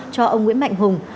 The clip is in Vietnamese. cho ông nguyễn mạnh hùng